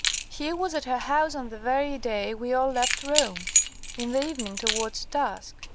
"He was at her house on the very day we all left Rome in the evening, towards dusk.